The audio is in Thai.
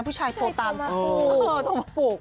ผู้ชายโทรตามโอ้โฮโอ้โฮโทรมาปลูก